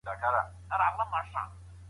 راځئ چي يو بل ته کتابونه ډالۍ کړو.